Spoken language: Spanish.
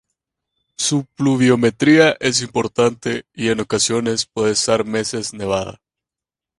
Su pluviometría es importante y en ocasiones puede estar meses nevada.